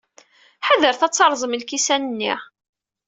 Ḥadret ad terrẓem lkisan-nni.